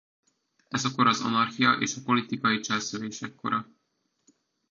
Ez a kor az anarchia és a politikai cselszövések kora.